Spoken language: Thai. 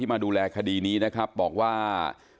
มาดูแลคดีนี้นะครับบอกว่า